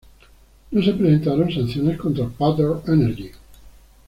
No se presentaron sanciones contra Pattern Energy.